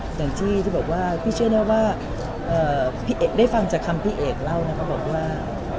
อย่างที่ที่บอกว่าพี่เชื่อนะว่าได้ฟังจากคำพี่เอกเล่านะครับบอกว่า